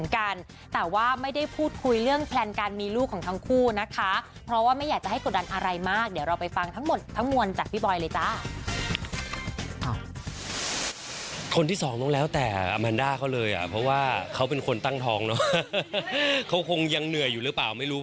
คนที่สองต้องแล้วแต่อาแมนด้าเขาเลยอ่ะเพราะว่าเขาเป็นคนตั้งท้องเนอะเขาคงยังเหนื่อยอยู่หรือเปล่าไม่รู้